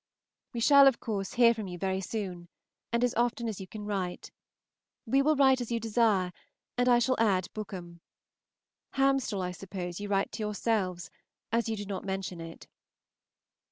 We shall, of course, hear from you again very soon, and as often as you can write. We will write as you desire, and I shall add Bookham. Hamstall, I suppose, you write to yourselves, as you do not mention it.